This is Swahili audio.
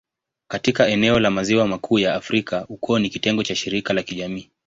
Katika eneo la Maziwa Makuu ya Afrika, ukoo ni kitengo cha shirika la kijamii.